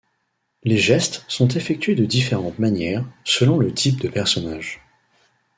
Les gestes sont effectués de différentes manières selon le type de personnage.